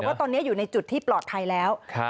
ว่าตอนนี้อยู่ในจุดที่ปลอดภัยแล้ว